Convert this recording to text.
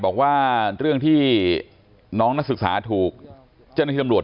บอกว่าเรื่องที่น้องนักศึกษาถูกเจ้านักทั้งที่ธรรมหลวด